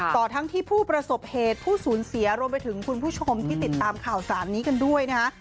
ต่อทั้งที่ผู้ประสบเหตุผู้สูญเสียรวมไปถึงคุณผู้ชมที่ติดตามข่าวสารนี้กันด้วยนะฮะ